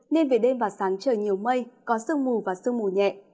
nên về đêm và sáng trời nhiều mây có sương mù và sương mù nhẹ